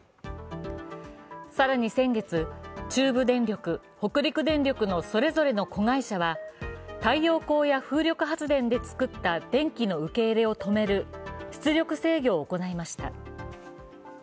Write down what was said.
更に先月、中部電力、北陸電力のそれぞれの子会社は太陽光や風力発電で作った電気の受け入れを止める出力制御を行いました。